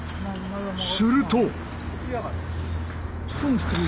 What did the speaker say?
すると。